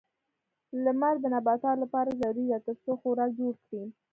لمر د نباتاتو لپاره ضروري ده ترڅو خوراک جوړ کړي.